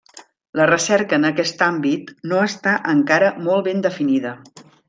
La recerca en aquest àmbit no està encara molt ben definida.